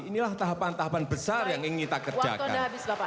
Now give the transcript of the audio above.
inilah tahapan tahapan besar yang ingin kita kerjakan